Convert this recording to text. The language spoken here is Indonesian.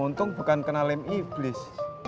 untung bukan kena lem iblis